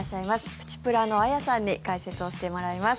プチプラのあやさんに解説をしてもらいます。